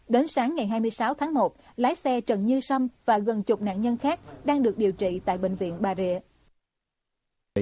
đến sáng ngày hai mươi sáu tháng một lái xe trần như sâm và gần chục nạn nhân khác đang được điều trị tại bệnh viện bà rịa